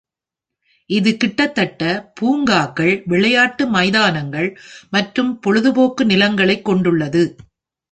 இது கிட்டத்தட்ட பூங்காக்கள், விளையாட்டு மைதானங்கள் மற்றும் பொழுதுபோக்கு நிலங்களை கொண்டுள்ளது.